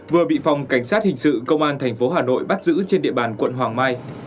vừa bị phòng cảnh sát hình sự công an thành phố hà nội bắt giữ trên địa bàn quận hoàng mai